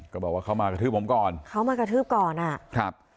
บอกว่าเขามากระทืบผมก่อนเขามากระทืบก่อนอ่ะครับ